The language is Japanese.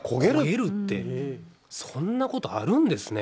焦げるって、そんなことあるんですね。